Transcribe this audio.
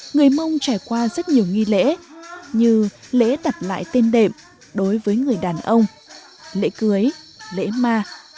người mông trải qua rất nhiều nghi lễ như lễ đặt lại tên đệm đối với người đàn ông lễ cưới lễ ma